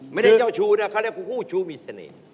เจ้าชู้นะเขาเรียกว่าคู่ชู้มีเสน่ห์